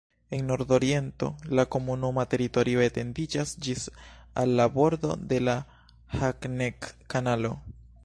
En nordoriento la komunuma teritorio etendiĝas ĝis al la bordo de la Hagneck-Kanalo.